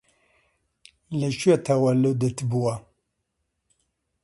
لە کوێ تەوەللودت بووە؟